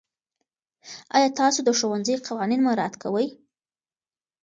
آیا تاسو د ښوونځي قوانین مراعات کوئ؟